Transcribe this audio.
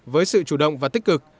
với sự chủ động và tích cực